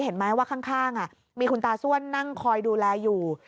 เห็นไหมว่าข้างมีคุณตาส้วนนั่งคอยดูแลอยู่